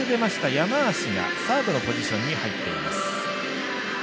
山足がサードのポジションに入ってます。